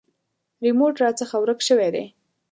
ریموټ راڅخه ورک شوی دی .